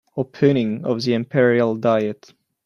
Opening of the Imperial diet